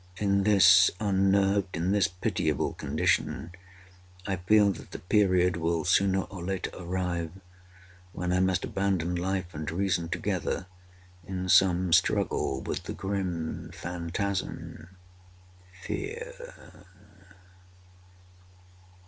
In this unnerved—in this pitiable condition—I feel that the period will sooner or later arrive when I must abandon life and reason together, in some struggle with the grim phantasm, FEAR."